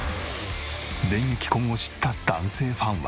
電撃婚を知った男性ファンは。